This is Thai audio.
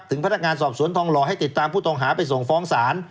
พนักงานสอบสวนทองหล่อให้ติดตามผู้ต้องหาไปส่งฟ้องศาล